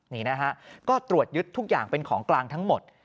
นี่นะฮะก็ตรวจยึดทุกอย่างเป็นของกลางทั้งหมด